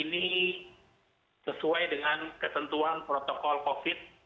ini sesuai dengan ketentuan protokol covid